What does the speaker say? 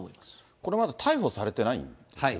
これ、まだ逮捕されてないんですよね。